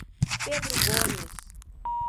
Pedro Gomes